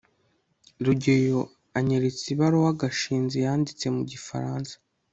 rugeyo anyeretse ibaruwa gashinzi yanditse mu gifaransa